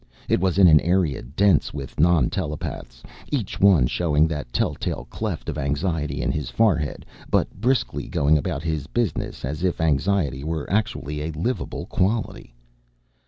It was in an area dense with non telepaths each one showing that telltale cleft of anxiety in his forehead but briskly going about his business as if anxiety were actually a liveable quality.